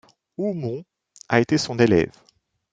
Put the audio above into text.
Haumont a été son élève.